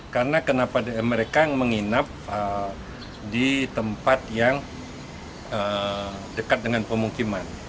karena kenapa mereka menginap di tempat yang dekat dengan pemukiman